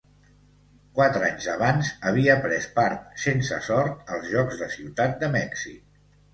Quatre anys abans havia pres part, sense sort, als Jocs de Ciutat de Mèxic.